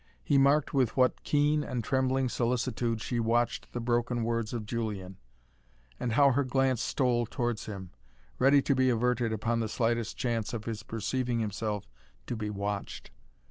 He marked with what keen and trembling solicitude she watched the broken words of Julian, and how her glance stole towards him, ready to be averted upon the slightest chance of his perceiving himself to be watched.